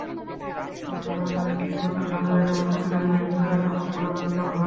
অনুসন্ধানে জানা গেছে, নির্বাচন সামনে রেখে প্রায় প্রতিদিনই বিভিন্ন এলাকায় পুলিশের অভিযান চলছে।